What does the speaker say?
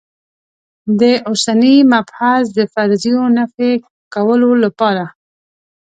د اوسني مبحث د فرضیو نفي کولو لپاره.